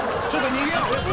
逃げよう。